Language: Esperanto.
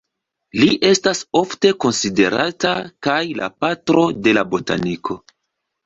Li estas ofte konsiderata kaj la "patro de la botaniko".